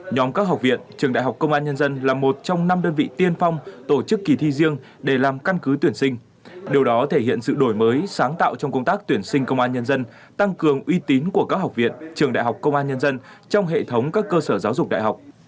nhóm các học viện trường đại học công an nhân dân là một trong năm đơn vị tiên phong tổ chức kỳ thi riêng để làm căn cứ tuyển sinh điều đó thể hiện sự đổi mới sáng tạo trong công tác tuyển sinh công an nhân dân tăng cường uy tín của các học viện trường đại học công an nhân dân trong hệ thống các cơ sở giáo dục đại học